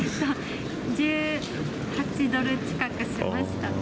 １８ドル近くしました。